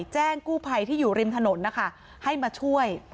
แจ้งกู้ภัยที่อยู่ริมถนนนะคะให้มาช่วย